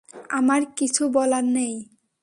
আমার কিছু বলার নেই।